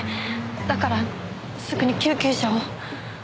だからすぐに救急車を。